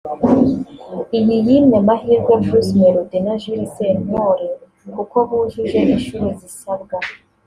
iyi yimye amahirwe Bruce Melody na Jules Sentore kuko bujuje inshuro zisabwa